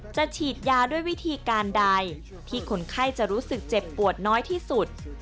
ฉีดยาด้วยวิธีการใดที่คนไข้จะรู้สึกเจ็บปวดน้อยที่สุด